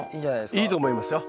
いいと思いますよ。